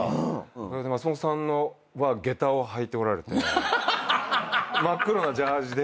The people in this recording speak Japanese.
松本さんはげたを履いておられて真っ黒なジャージーで。